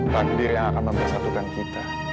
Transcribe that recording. bandir yang akan mempersatukan kita